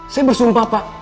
saya bersumpah pak